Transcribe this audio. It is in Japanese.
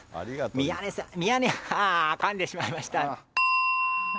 宮根さん、宮根、あー、かんでしまいました。